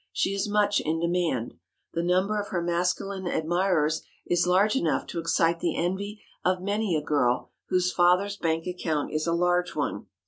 She is much in demand. The number of her masculine admirers is large enough to excite the envy of many a girl whose father's bank account is a large one.